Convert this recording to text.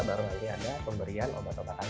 baru baru lagi ada pemberian obat obatan